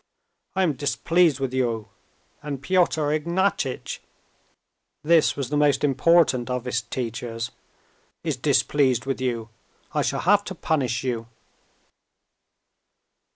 I am displeased with you, and Piotr Ignatitch" (this was the most important of his teachers) "is displeased with you.... I shall have to punish you."